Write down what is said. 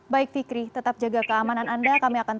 baik fikri tetap jaga keamanan anda